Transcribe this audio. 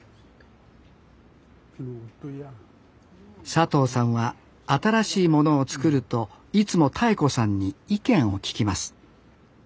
佐藤さんは新しいものを作るといつもたえ子さんに意見を聞きます。